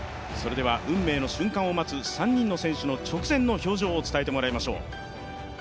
運命の瞬間を待つ３人の選手の直前の表情を伝えてもらいましょう。